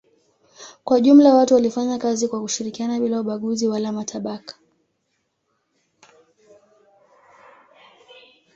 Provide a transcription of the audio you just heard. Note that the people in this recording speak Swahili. Kwa jumla watu walifanya kazi kwa kushirikiana bila ubaguzi wala matabaka.